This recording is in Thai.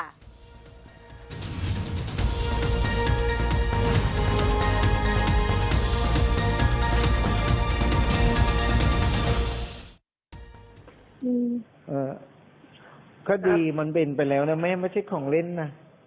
อืมเอ่อคดีมันเป็นไปแล้วนะไม่ให้มาเช็คของเล่นนะ